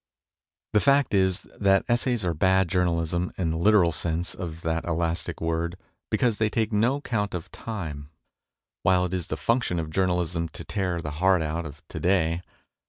The fact is, that essays are bad journalism in the literal sense of that elastic word, because they take no count of time, while it 16 MONOLOGUES is the function of journalism to tear the heart out of to day.